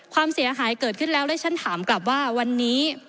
ความเสียหายเกิดขึ้นแล้วแล้วฉันถามกลับว่าวันนี้